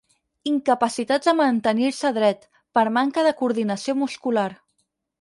Incapacitats de mantenir-se dret, per manca de coordinació muscular.